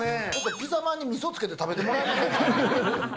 ピザまんにみそつけて食べてもらえませんか？